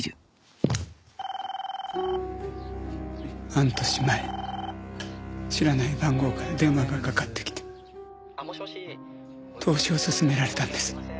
半年前知らない番号から電話がかかってきて投資を勧められたんです。